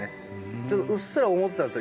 ちょっとうっすら思ってたんですよ